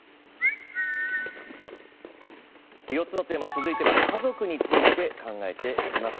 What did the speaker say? ４つのテーマ、続いては「家族」について考えていきます。